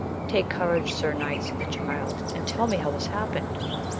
Take courage, sir knight, said the Child, and tell me how this hap pened.